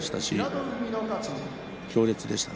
強烈でした。